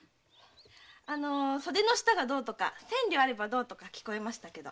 あの「袖の下」がどうとか「千両あれば」どうとか聞こえましたけど？